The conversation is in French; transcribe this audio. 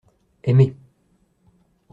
Aimez.